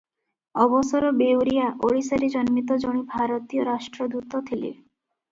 ଅବସର ବେଉରିଆ ଓଡ଼ିଶାରେ ଜନ୍ମିତ ଜଣେ ଭାରତୀୟ ରାଷ୍ଟ୍ରଦୂତ ଥିଲେ ।